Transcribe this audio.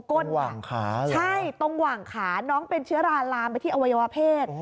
ตรงหวั่งขาเหรอใช่ตรงหวั่งขาน้องเป็นเชื้อราลามไปที่อวัยวะเพศ